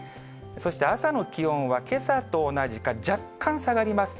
そして朝の気温はけさと同じか、若干下がります。